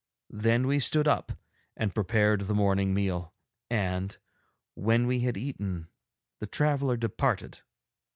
Then we stood up and prepared the morning meal, and, when we had eaten, the traveller departed.